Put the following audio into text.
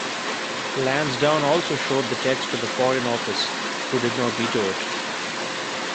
Lansdowne also showed the text to the Foreign Office who did not veto it.